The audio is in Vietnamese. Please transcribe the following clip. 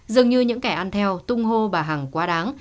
dường như những kẻ ăn theo tung hô bà hằng quá đáng